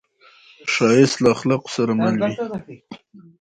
ښایست له اخلاقو سره مل وي